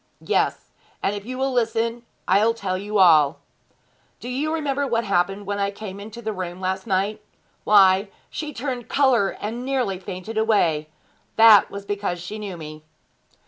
'Yes; and if you will listen I'll tell you all. Do you remember what happened when I came into the room last night? Why, she turned colour and nearly fainted away. That was because she knew me.'